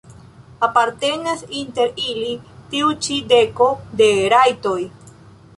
Apartenas inter ili tiu ĉi deko de rajtoj.